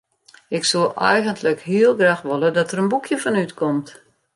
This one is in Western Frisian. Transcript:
Ik soe eigentlik heel graach wolle dat der in boekje fan útkomt.